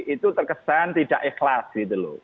itu terkesan tidak ikhlas gitu loh